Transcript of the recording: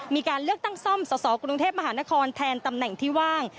มีการเลือกตั้งซ่อมสสกรุงเทพมหานครแทนตำแหน่งที่ว่าง